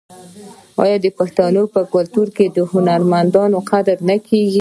آیا د پښتنو په کلتور کې د هنرمندانو قدر نه کیږي؟